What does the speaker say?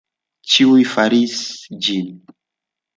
Ĉiuj faris ĝin.